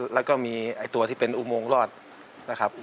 แล้วก็มีตัวที่เป็นอุโมงรอดนะครับ